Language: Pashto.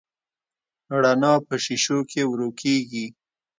رڼا په شیشو کې ورو کېږي.